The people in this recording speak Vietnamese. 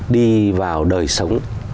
đi vào đời sống